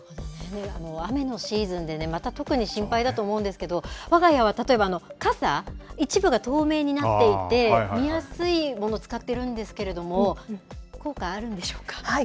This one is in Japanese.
雨のシーズンで、また特に心配だと思うんですけど、わが家は例えば傘、一部が透明になっていて、見やすいもの使っているんですけれども、効果あるんでしょうか。